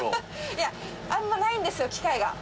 いやあんまりないんですよ機会が。